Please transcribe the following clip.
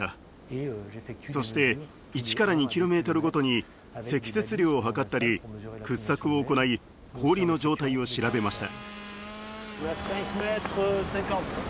そして１から２キロメートルごとに積雪量を測ったり掘削を行い氷の状態を調べました。